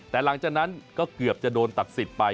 แต่หลังจากนั้นก็เกือบจะโดนตัดสิทธิ์ไป